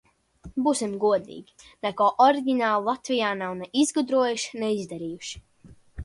Būsim godīgi. Neko oriģinālu Latvijā nav ne izgudrojuši, ne izdarījuši.